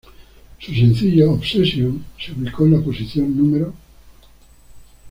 Su sencillo "Obsession" se ubicó en la posición No.